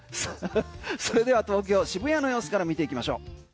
それでは東京渋谷の様子から見ていきましょう。